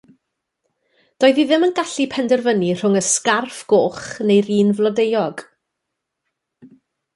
Doedd hi ddim yn gallu penderfynu rhwng y sgarff goch neu'r un flodeuog.